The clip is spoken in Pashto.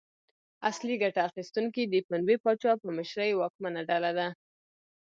اصلي ګټه اخیستونکي د پنبې پاچا په مشرۍ واکمنه ډله ده.